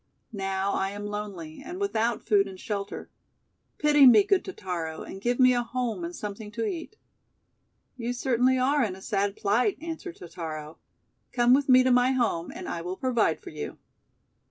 Now I am lonely, and without food and shelter. Pity me, good Totaro, and give me a home and something to eat." 'You certainly are in a sad plight," answered Totaro. :<Come with me to my home, and I will provide for you."